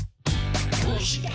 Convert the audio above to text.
「どうして？